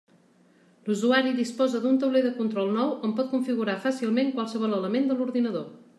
L'usuari disposa d'un tauler de control nou on pot configurar fàcilment qualsevol element de l'ordinador.